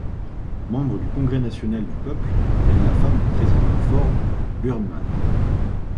Membre du Congrès national du peuple, elle est la femme du président Forbes Burnham.